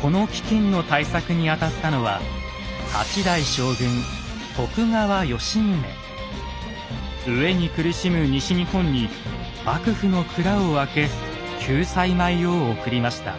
この飢きんの対策に当たったのは飢えに苦しむ西日本に幕府の蔵を開け救済米を送りました。